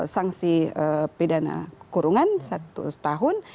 sanksi pidana kurungan satu setahun